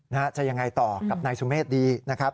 นะฮะจะยังไงต่อกับนายสุเมฆดีนะครับ